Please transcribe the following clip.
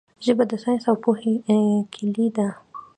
ژبه د ساینس او پوهې کیلي ده.